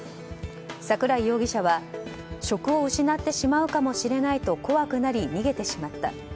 桜井容疑者は職を失ってしまうかもしれないと怖くなり逃げてしまった。